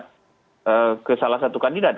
itu bisa jadi salah satu kandidat